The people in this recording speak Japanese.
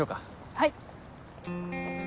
はい。